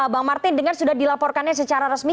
bang martin dengan sudah dilaporkannya secara resmi